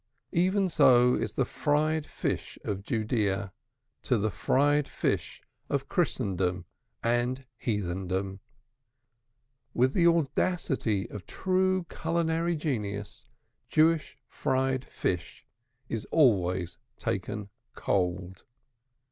Even so is the fried fish of Judaea to the fried fish of Christendom and Heathendom. With the audacity of true culinary genius, Jewish fried fish is always served cold.